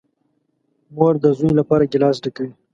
مور ده زوی لپاره گیلاس ډکوي .